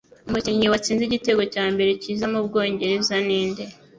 umukinnyi watsinze igitego cyambere cyiza mu Bwongereza ni nde?